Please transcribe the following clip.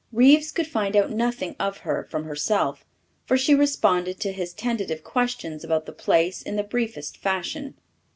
Reeves could find out nothing of her from herself, for she responded to his tentative questions about the place in the briefest fashion.